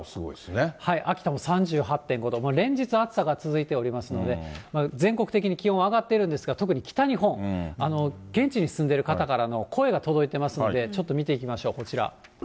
秋田も３８．５度、連日、暑さが続いておりますので、全国的に気温は上がってるんですが、特に北日本、現地に住んでる方からの声が届いてますので、ちょっと見ていきましょう、こちら。